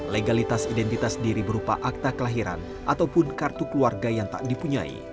legalitas identitas diri berupa akta kelahiran ataupun kartu keluarga yang tak dipunyai